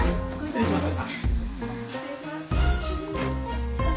失礼します。